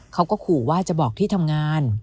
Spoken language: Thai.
เขาก็ขู่ว่าจะบอกที่ทำงาน